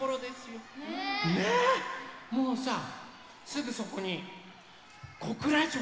もうさすぐそこに小倉城。